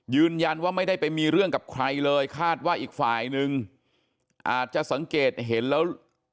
ยืนยันว่าไม่ได้ไปมีเรื่องกับใครเลยคาดว่าอีกฝ่ายนึงอาจจะสังเกตเห็นแล้ว